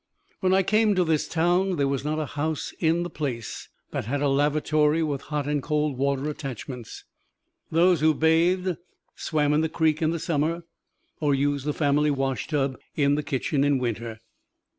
When I came to this town there was not a house in the place that had a lavatory with hot and cold water attachments. Those who bathed, swam in the creek in the Summer or used the family wash tub in the kitchen in Winter.